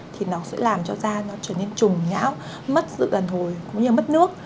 thì nó sẽ làm cho da nó trở nên trùng nhão mất sự đàn hồi cũng như mất nước